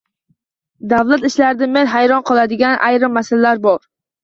Davlat ishlarida men hayron qoladigan ayrim masalalar bor.